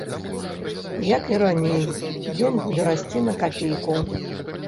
Як і раней, ён будзе расці на капейку.